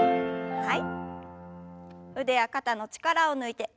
はい。